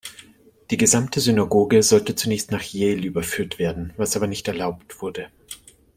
Die gesamte Synagoge sollte zunächst nach Yale überführt werden, was aber nicht erlaubt wurde.